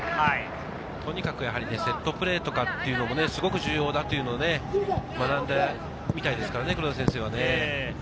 とにかくセットプレーとかというのもすごく重要だと学んだみたいですからね、黒田先生は。